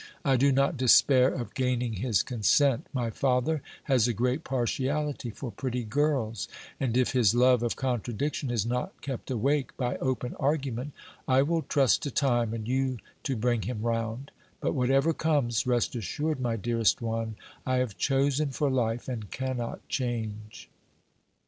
I do not despair of gaining his consent; my father has a great partiality for pretty girls, and if his love of contradiction is not kept awake by open argument, I will trust to time and you to bring him round; but, whatever comes, rest assured, my dearest one, I have chosen for life, and cannot change."